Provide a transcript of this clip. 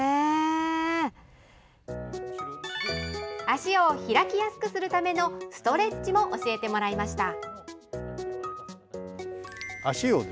足を開きやすくするためのストレッチも教えてもらいました。